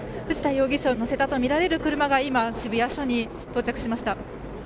藤田容疑者を乗せたとみられる車が今、渋谷署に到着しました。